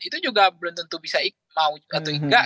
itu juga belum tentu bisa ikut mau atau nggak